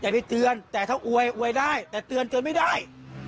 แต่ถ้าอวยได้แต่ถ้าเตือนเตือนไม่ได้